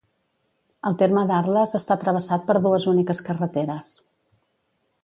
El terme d'Arles està travessat per dues úniques carreteres.